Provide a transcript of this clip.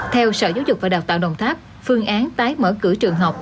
theo sở giáo dục và đào tạo đồng tháp phương án tái mở cửa trường học